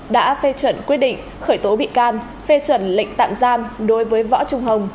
đã phê chuẩn quyết định khởi tố bị can phê chuẩn lệnh tạm giam đối với võ trung hồng